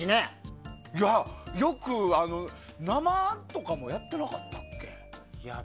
よく生とかもやってなかったっけ？